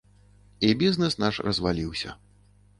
І бізнэс наш разваліўся.